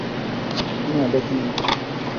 না, দেখি নাই।